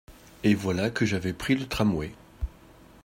Et voilà que j’avais pris le tramway…